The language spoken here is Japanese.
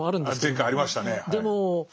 前回ありましたねぇはい。